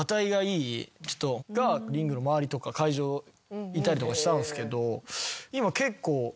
リングの周りとか会場いたりとかしたんすけど今結構。